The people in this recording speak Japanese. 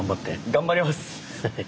頑張ります。